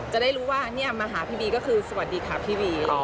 จะได้รู้ว่าเนี่ยมาหาพี่บีก็คือสวัสดีค่ะพี่บี